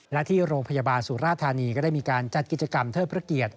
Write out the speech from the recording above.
และที่โรงพยาบาลสุราธานีก็ได้มีการจัดกิจกรรมเทิดพระเกียรติ